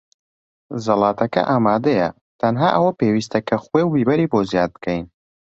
زەڵاتەکە ئامادەیە. تەنها ئەوە پێویستە کە خوێ و بیبەری بۆ زیاد بکەین.